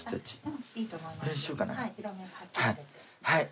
はい。